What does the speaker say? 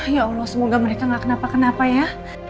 ya allah semoga mereka gak kenapa kenapa ya